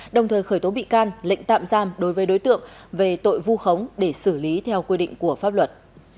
đồng thời khởi tố bị can lệnh tạm giam đối với đối tượng về tội vu khống để xử lý theo quy định của pháp luật